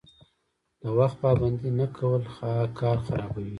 د وخت پابندي نه کول کار خرابوي.